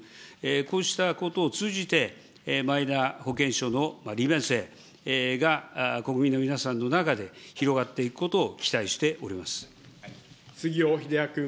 こうしたことを通じて、マイナ保険証の利便性が国民の皆さんの中で広がっていくことを期杉尾秀哉君。